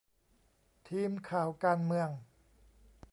ทีมข่าวการเมือง